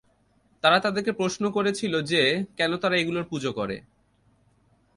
তারা তাদেরকে প্রশ্ন করেছিল যে, কেন তারা এগুলোর পূজা করে?